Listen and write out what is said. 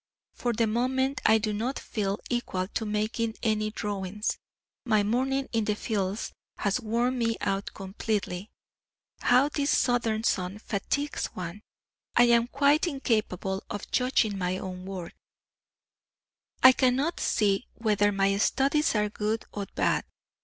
For the moment I do not feel equal to making any drawings, my morning in the fields has worn me out completely. How this southern sun fatigues one! I am quite incapable of judging my own work; I cannot see whether my studies are good or bad.